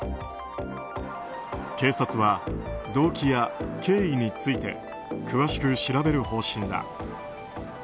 警察は動機や経緯について詳しく調べる方針だ。